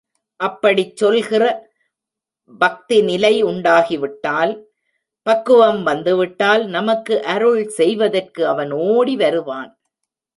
அப்படிச் சொல்கிற பக்திநிலை உண்டாகிவிட்டால், பக்குவம் வந்துவிட்டால், நமக்கு அருள் செய்வதற்கு அவன் ஓடி வருவான்.